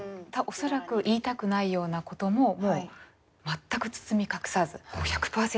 恐らく言いたくないようなことももう全く包み隠さず１００％